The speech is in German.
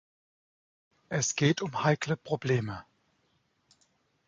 Es geht um heikle Probleme.